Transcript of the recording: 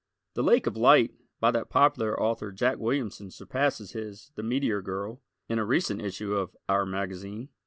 "The Lake of Light" by that popular author Jack Williamson surpasses his "The Meteor Girl" in a recent issue of "our" magazine.